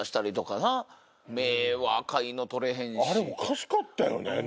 あれおかしかったよね。